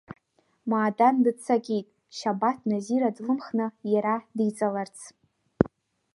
Маадан дыццакит Шьабаҭ Назира длымхны иара диҵаларц.